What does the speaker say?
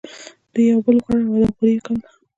دوی یو بل خوړل او آدم خوري یې کوله.